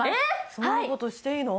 そんなことしていいの？